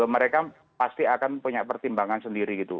mereka pasti akan punya pertimbangan sendiri gitu